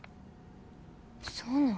そうなん？